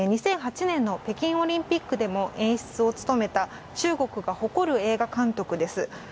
２００８年の北京オリンピックでも演出を務めた中国が誇る映画監督です。